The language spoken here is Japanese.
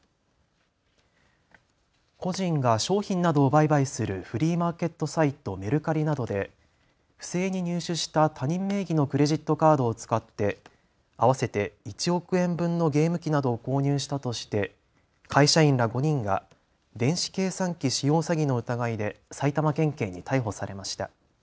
個人が商品などを売買するフリーマーケットサイト、メルカリなどで不正に入手した他人名義のクレジットカードを使って合わせて１億円分のゲーム機などを購入したとして会社員ら５人が電子計算機使用詐欺の疑いで埼玉県警に逮捕されました。